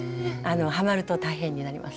はまると大変になります。